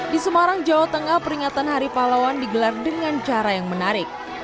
di semarang jawa tengah peringatan hari pahlawan digelar dengan cara yang menarik